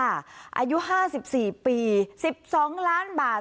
เมื่อ๑๔ปี๑๒ล้านบาท